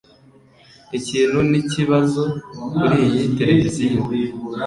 Ikintu nikibazo kuriyi televiziyo.